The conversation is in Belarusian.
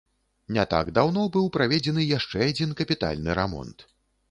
Не так даўно быў праведзены яшчэ адзін капітальны рамонт.